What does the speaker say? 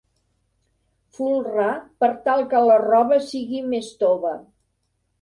Folrar per tal que la roba sigui més tova.